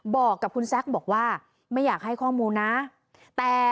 บอกกับคุณแซคบอกว่าไม่อยากให้ข้อมูลนะแต่